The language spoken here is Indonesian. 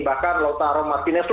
bahkan lautaro martinez